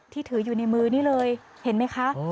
ถืออยู่ในมือนี่เลยเห็นไหมคะ